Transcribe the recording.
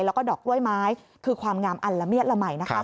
แล้วก็ดอกกล้วยไม้คือความงามอันละเมียดละมัยนะครับ